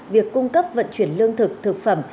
việc cung cấp vận chuyển lương thực thực phẩm